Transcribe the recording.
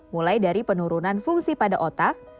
mulai dari penurunan fungsi pada otak